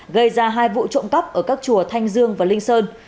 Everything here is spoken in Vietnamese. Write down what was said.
gây ra hai vụ trộm cắp ở các chùa thanh dương và linh sơn